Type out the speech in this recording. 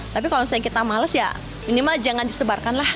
tapi kalau misalnya kita males ya minimal jangan disebarkan lah